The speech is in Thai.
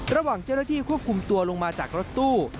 ระหว่างเจ้าหน้าที่ควบคุมตัวลงมาจากรถตู้